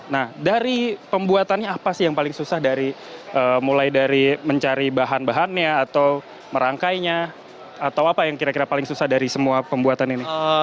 nah dari pembuatannya apa sih yang paling susah dari mulai dari mencari bahan bahannya atau merangkainya atau apa yang kira kira paling susah dari semua pembuatan ini